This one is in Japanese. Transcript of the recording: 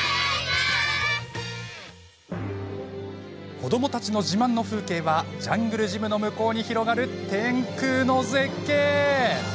子どもたちの自慢の風景はジャングルジムの向こうに広がる天空の絶景。